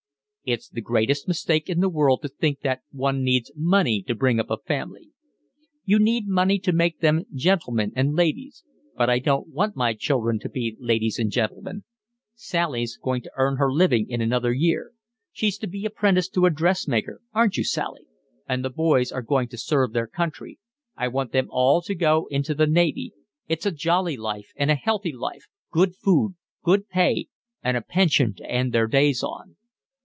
"It's the greatest mistake in the world to think that one needs money to bring up a family. You need money to make them gentlemen and ladies, but I don't want my children to be ladies and gentlemen. Sally's going to earn her living in another year. She's to be apprenticed to a dressmaker, aren't you, Sally? And the boys are going to serve their country. I want them all to go into the Navy; it's a jolly life and a healthy life, good food, good pay, and a pension to end their days on."